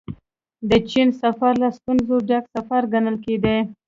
د چين سفر له ستونزو ډک سفر ګڼل کېده.